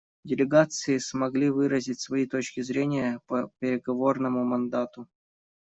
Делегации смогли выразить свои точки зрения по переговорному мандату.